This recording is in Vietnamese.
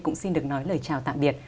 cũng xin được nói lời chào tạm biệt